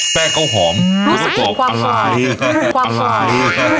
แป้งเกาหอมอาร่าดี